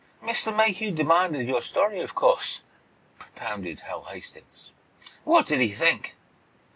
"Mr. Mayhew demanded your story, of course?" propounded Hal Hastings. "What did he think?"